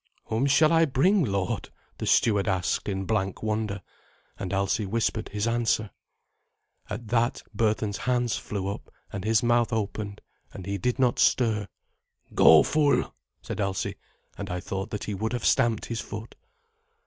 "Whom shall I bring, lord?" the steward asked in blank wonder, and Alsi whispered his answer. At that Berthun's hands flew up, and his mouth opened, and he did not stir. "Go, fool," said Alsi, and I thought that he would have stamped his foot.